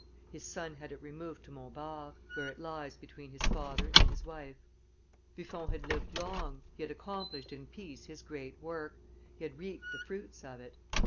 His son had it removed to Montbard, where it lies between his father and his wife. Buffon had lived long, he had accomplished in peace his great work, he had reaped the fruits of it.